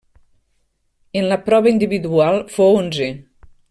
En la prova individual fou onzè.